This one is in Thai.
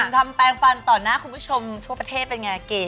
ทำแปลงฟันต่อหน้าคุณผู้ชมทั่วประเทศเป็นไงเก๋